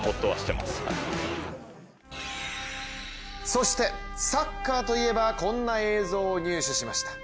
そしてサッカーといえばこんな映像を入手しました。